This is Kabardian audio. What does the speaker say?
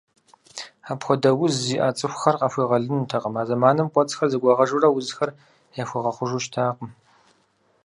Апхуэдэ уз зиӏэ цӏыхухэр къахуегъэлынутэкъым, а зэманым кӏуэцӏхэр зэгуагъэжурэ узхэр яхуэгъэхъужу щытакъым.